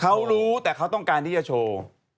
เขารู้แต่เขาต้องการที่จะโชว์